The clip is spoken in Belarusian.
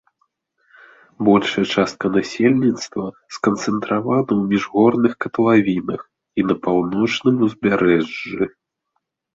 Большая частка насельніцтва сканцэнтравана ў міжгорных катлавінах і на паўночным узбярэжжы.